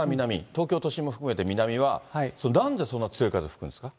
東京都心も含めて南は、なんでそんなに強い風吹くんですか？